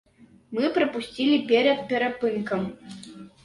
Мы прапусцілі перад перапынкам.